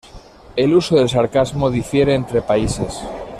El uso del sarcasmo difiere entre países.